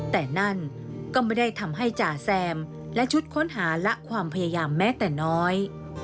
แต่นั่นก็ไม่ได้ทำให้จ่าแซมและชุดค้นหาและความพยายามแม้แต่น้อย